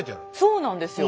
そうなんですよ。